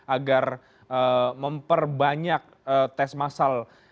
agar memperbanyak tes masal